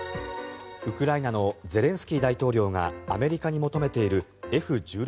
ウクライナのゼレンスキー大統領がアメリカに求めているＦ１６